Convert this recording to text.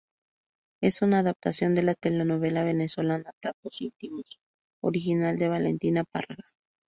Es una adaptación de la telenovela venezolana "Trapos íntimos," original de Valentina Párraga.